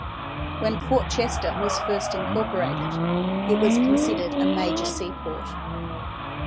When Port Chester was first incorporated, it was considered a major seaport.